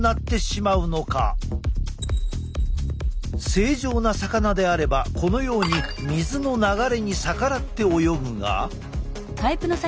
正常な魚であればこのように水の流れに逆らって泳ぐが。